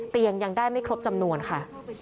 ยังได้ไม่ครบจำนวนค่ะ